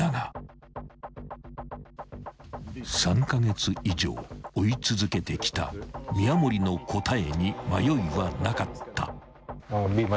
［３カ月以上追い続けてきた宮守の答えに迷いはなかった］